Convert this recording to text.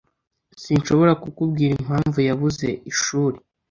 Sinshobora kukubwira impamvu yabuze ishuri